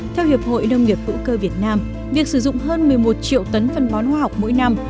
theo hiệp hội nông nghiệp hữu cơ việt nam việc sử dụng hơn một mươi một triệu tấn phân bón hoa học mỗi năm